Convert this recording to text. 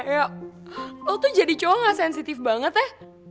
eh lo tuh jadi cowok gak sensitif banget ya